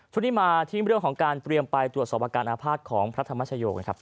ทุกที่มาทีนี้เป็นเรื่องของการเตรียมไปตรวจสอบอาการอาภาศของพระธรรมชโยค